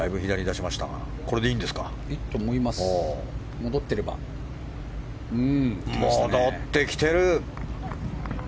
戻ってきている。